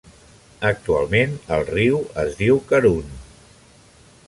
Actualment el riu es diu Karun.